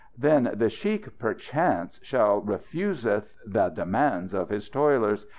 Then the sheikh, perchance, still refuseth the demands of his toilers.